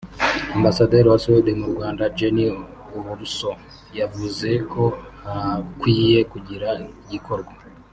Ambasaderi wa Suede mu Rwanda Jenny Ohlsson yavuze ko hakwiye kugira igikorwa